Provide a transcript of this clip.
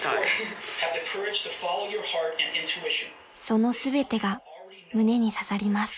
［その全てが胸に刺さります］